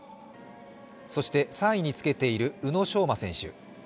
そして、３位につけている宇野昌磨選手。